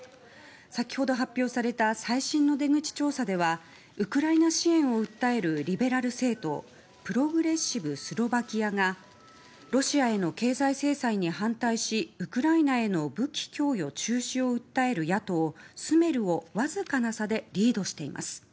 先ほど発表された最新の出口調査ではウクライナ支援を訴えるリベラル政党プログレッシブ・スロバキアがロシアへの経済制裁に反対しウクライナへの武器供与中止を訴える野党スメルをわずかな差でリードしています。